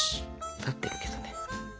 立ってるけどね。